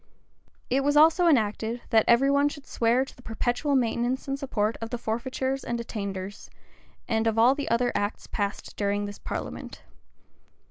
[*] It was also enacted, that every one should swear to the perpetual maintenance and support of the forfeitures and attainders, and of all the other acts passed during this parliament.